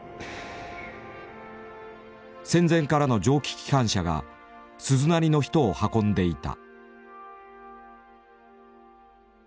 戦前からの蒸気機関車が鈴なりの人を運んでいた。